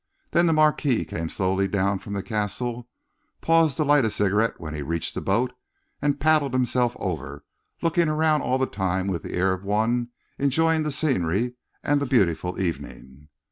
Then the Marquis came slowly down from the castle, paused to light a cigarette when he reached the boat, and paddled himself over, looking around all the time with the air of one enjoying the scenery and the beautiful evening.